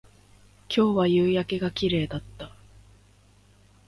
今日は夕焼けが綺麗だった